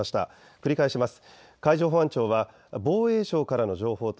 繰り返します。